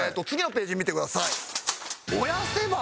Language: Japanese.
次のページ見てください。